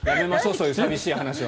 そういう寂しい話は。